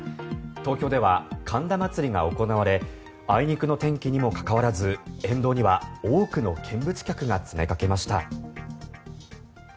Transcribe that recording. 東京では神田祭が行われあいにくの天気にもかかわらず沿道には多くの見物客が詰めかけました。